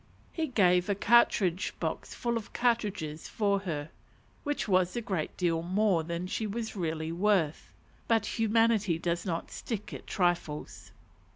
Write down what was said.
He gave a cartridge box full of cartridges for her; which was a great deal more than she was really worth: but humanity does not stick at trifles.